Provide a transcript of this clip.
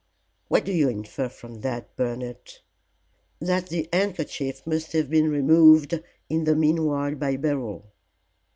What do you infer from that, Bernard?" "That the handkerchief must have been removed in the meanwhile by Beryl.